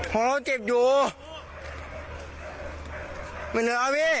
ของเราเจ็บอยู่